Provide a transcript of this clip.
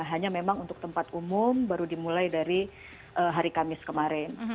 hanya memang untuk tempat umum baru dimulai dari hari kamis kemarin